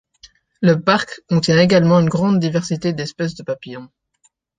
Le parc contient également une grande diversité d'espèces de papillons.